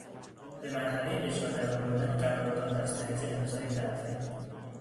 به مرحلهی اجرا در آوردن قرارداد از طریق امضای طرفین